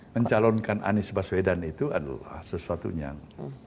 mencalonkan anies baswedan itu adalah sesuatu yang